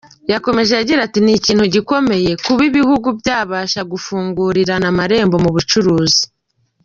Yakomeje agira ati “Ni ikintu gikomeye kuba ibihugu byabasha gufungurirana amarembo mu bucuruzi.